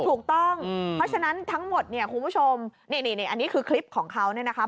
ถูกต้องเพราะฉะนั้นทั้งหมดเนี่ยคุณผู้ชมนี่อันนี้คือคลิปของเขาเนี่ยนะคะ